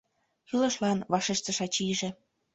— Кӱлешлан, — вашештен ачийже.